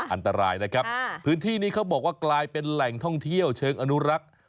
อันตรายนะครับพื้นที่นี้เขาบอกว่ากลายเป็นแหล่งท่องเที่ยวเชิงอนุรักษ์